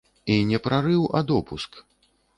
І не прарыў, а допуск.